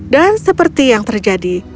dan seperti yang terjadi